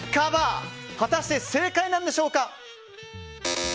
果たして正解なんでしょうか。